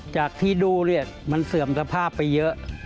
จากที่ดูเนี่ยมันเสื่อมสภาพไปเยอะ